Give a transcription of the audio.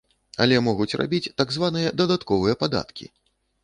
Але могуць рабіць так званыя дадатковыя падкаткі.